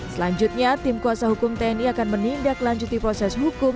selanjutnya tim kuasa hukum tni akan menindaklanjuti proses hukum